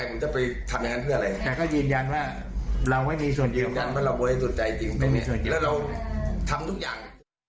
ยืนยังว่าเราโบ๊ยให้ตรวจใจจริงแล้วเราทำทุกอย่าง